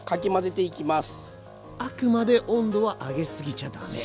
あくまで温度は上げすぎちゃだめ？